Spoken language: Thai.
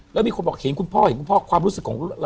แล้วมีคนบอกเห็นคุณพ่อความรู้สึกของเรา